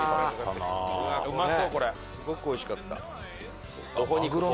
すごくおいしかった。